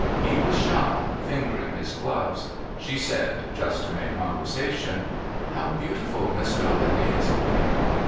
He was shy, fingering his gloves. She said (just to make conversation): "How beautiful Miss Daubeney is looking!"